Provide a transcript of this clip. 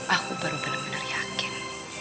aku baru bener bener yakin